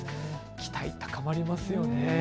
期待高まりますよね。